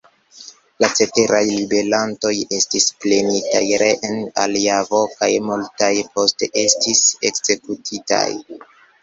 La ceteraj ribelantoj estis prenitaj reen al Javo kaj multaj poste estis ekzekutitaj.